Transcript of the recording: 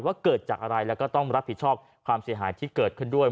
เกิดจากอะไรแล้วก็ต้องรับผิดชอบความเสียหายที่เกิดขึ้นด้วย